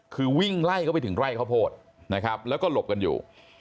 คือวิ่งไล่เข้าไปถึงไร่ข้าวโพดนะครับแล้วก็หลบกันอยู่